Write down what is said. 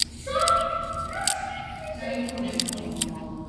Turecko přitom dosáhlo od začátku jednání jen sotva nějakého pokroku.